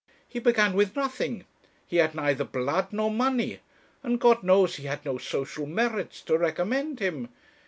He began with nothing; he had neither blood nor money; and God knows he had no social merits to recommend him.